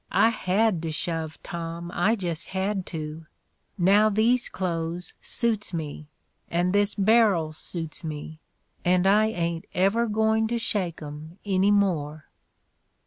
... I had to shove, Tom — I just had to. ... Now these clothes suits me, and this bar'l suits me, and I ain't ever going to shake 'em any more.